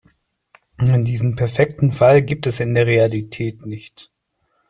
Diesen perfekten Fall gibt es in der Realität nicht.